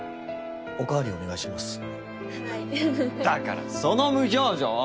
だからその無表情！